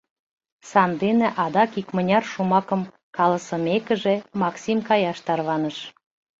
Сандене адак икмыняр шомакым каласымекыже, Максим каяш тарваныш.